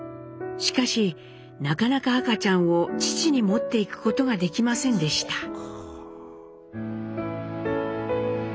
しかしなかなか赤ちゃんを乳に持っていくことができませんでした。